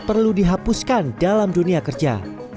perlu dihapuskan dalam dunia kerja